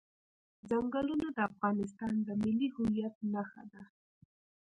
ځنګلونه د افغانستان د ملي هویت نښه ده.